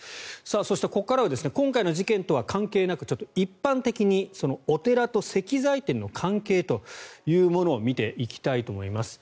そしてここからは今回の事件とは関係なく一般的にお寺と石材店の関係というものを見ていきたいと思います。